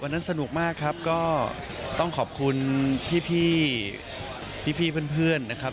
วันนั้นสนุกมากครับก็ต้องขอบคุณพี่เพื่อนนะครับ